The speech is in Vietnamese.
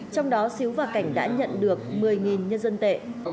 trong đó xíu và cảnh đã nhận được một mươi nhân dân tệ